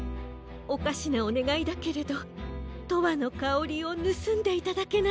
おかしなおねがいだけれど「とわのかおり」をぬすんでいただけないかしら？